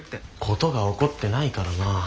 事が起こってないからなあ。